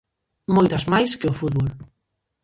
Moitas máis que o fútbol.